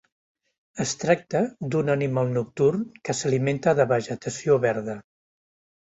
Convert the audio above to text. Es tracta d'un animal nocturn que s'alimenta de vegetació verda.